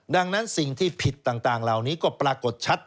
ดังนั้นสิ่งที่ผิดต่างเหล่านี้ก็ปรากฏชัด